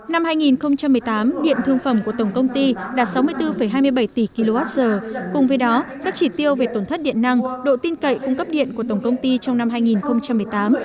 năm hai nghìn một mươi tám điện thương phẩm của tổng công ty đạt sáu mươi bốn hai mươi bảy tỷ kwh cùng với đó các chỉ tiêu về tổn thất điện năng độ tin cậy cung cấp điện của tổng công ty trong năm hai nghìn một mươi tám